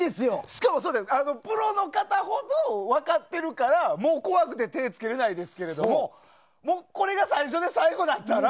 しかもプロの方ほど分かってるから怖くて手を付けられないですけどこれが最初で最後だったら。